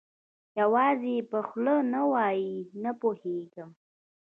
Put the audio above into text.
یوازې یې په خوله نه وایي، نه پوهېږم.